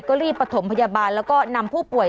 ก็รีบประถมพยาบาลแล้วก็นำผู้ป่วย